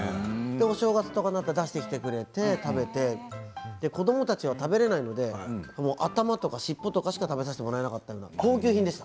お正月になって出してきてくれて食べて子どもたちは食べられないので頭とか尻尾しか食べさせてもらえなかったんです。